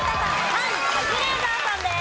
３位カズレーザーさんです。